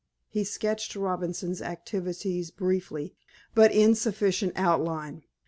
He sketched Robinson's activities briefly, but in sufficient outline.